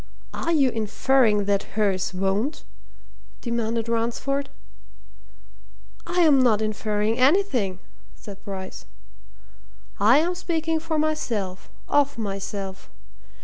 "Are you inferring that hers won't?" demanded Ransford. "I'm not inferring anything," said Bryce. "I am speaking for myself, of myself.